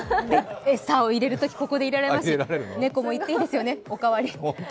餌を入れるとき、ここから入れられますし、猫も言っていいですよね、おかわりって。